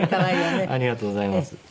ありがとうございます。